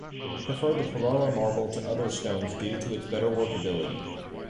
He preferred the Carrara marble to other stones due to its better workability.